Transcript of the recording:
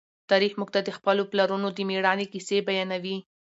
تاریخ موږ ته د خپلو پلرونو د مېړانې کیسې بیانوي.